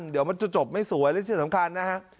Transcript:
เดี๋ยวมันจะจบไม่สวยและที่สำคัญนะฮะ